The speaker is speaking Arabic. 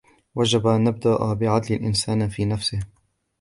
وَجَبَ أَنْ نَبْدَأَ بِعَدْلِ الْإِنْسَانِ فِي نَفْسِهِ